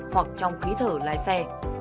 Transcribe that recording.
hoặc trong khí thở lái xe